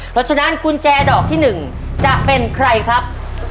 เพราะฉะนั้นกุญแจดอกที่๑จะเป็นใครครับ